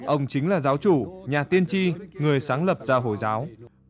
ông chính là giáo chủ nhà tiên tri người sáng lập ra hồi giáo